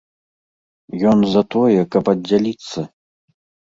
Ён за тое, каб аддзяліцца!